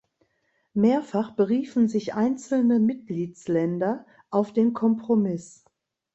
Mehrfach beriefen sich einzelne Mitgliedsländer auf den Kompromiss.